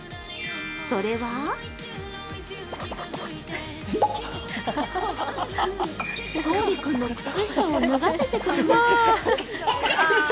それはとうり君の靴下を脱がせてくれます。